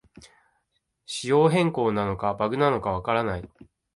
仕様変更なのかバグなのかわからない